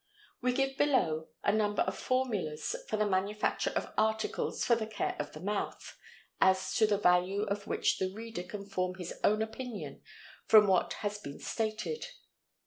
We give below a number of formulas for the manufacture of articles for the care of the mouth, as to the value of which the reader can form his own opinion from what has been stated.